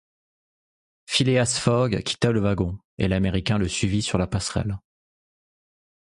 Phileas Fogg quitta le wagon, et l’Américain le suivit sur la passerelle.